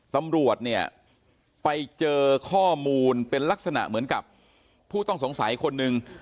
ตำรวจเนี่ยไปเจอข้อมูลเป็นลักษณะเหมือนกับผู้ต้องสงสัยคนหนึ่ง